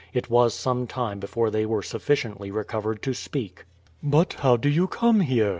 It was some time before they were sufficiently recovered to speak. "But how do you come here?"